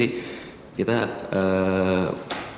biasanya kalau kita emergency